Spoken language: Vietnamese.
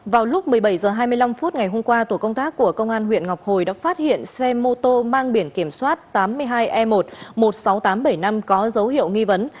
vào lúc một mươi bảy h hai mươi năm phút ngày hôm qua tổ công tác của công an huyện ngọc hồi đã phát hiện xe mô tô mang biển kiểm soát tám mươi hai e một một mươi sáu nghìn tám trăm bảy mươi năm có dấu hiệu nghi vấn